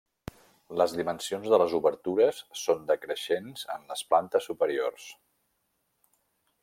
Les dimensions de les obertures són decreixents en les plantes superiors.